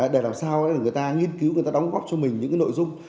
để làm sao người ta nghiên cứu người ta đóng góp cho mình những nội dung